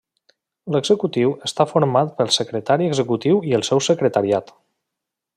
L'Executiu està format pel Secretari Executiu i el seu Secretariat.